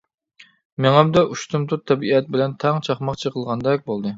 مېڭەمدە ئۇشتۇمتۇت تەبىئەت بىلەن تەڭ چاقماق چېقىلغاندەك بولدى.